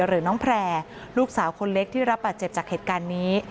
หรือน้องแพร่ลูกสาวคนเล็กที่รับบาดเจ็บจากเหตุการณ์นี้